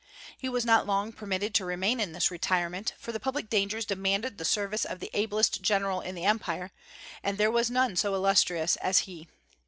He was not long permitted to remain in this retirement; for the public dangers demanded the service of the ablest general in the Empire, and there was no one so illustrious as he.